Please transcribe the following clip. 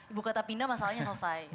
ibu kota pindah masalahnya selesai